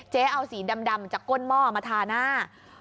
เอาสีดำจากก้นหม้อมาทาหน้า